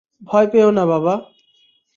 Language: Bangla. ভয় পেয়ো না, বাবা!